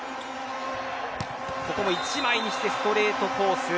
ここも１枚にしてストレートコース。